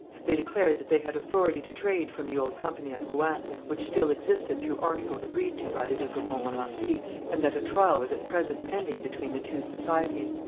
They declared that they had authority to trade from the old Company of Rouen, which still existed through articles agreed to by the Duke of Montmorency, and that a trial was at present pending between the two societies.